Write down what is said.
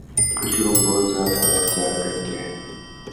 کچھ لوگ بہت زیادہ وقت ضائع کرتے ہیں